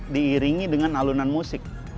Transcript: diiringi dengan alunan musik